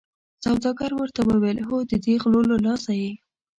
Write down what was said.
سوداګر ورته وویل هو ددې غلو له لاسه یې.